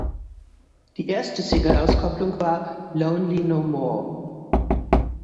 Die erste Singleauskopplung war "Lonely No More".